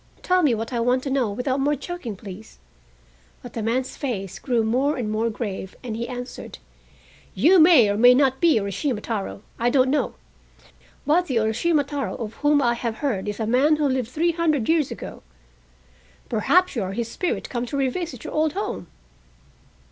Tell me what I want to know without more joking, please." But the man's face grew more and more grave, and he answered: "You may or may not be Urashima Taro, I don't know. But the Urashima Taro of whom I have heard is a man who lived three hundred years ago. Perhaps you are his spirit come to revisit your old home?"